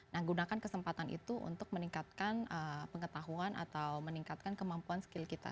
nah gunakan kesempatan itu untuk meningkatkan pengetahuan atau meningkatkan kemampuan skill kita